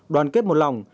đoàn kết một lòng